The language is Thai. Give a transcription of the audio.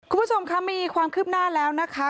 คุณผู้ชมคะมีความคืบหน้าแล้วนะคะ